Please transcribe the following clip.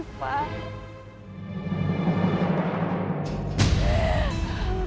mama gak akan ngebiarin kamu